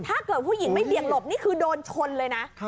ถ้าเกิดผู้หญิงไม่เบี่ยงหลบนี่คือโดนชนเลยนะ